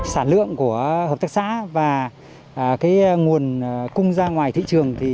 sản lượng của hợp tác xã và nguồn cung ra ngoài thị trường